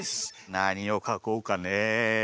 なにをかこうかね。